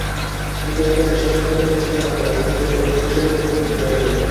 যদি একেবারে শেষ প্রান্তে পৌঁছানো না যায়, অন্তত কিছুদূর পর্যন্ত তো যাওয়া যাইবে।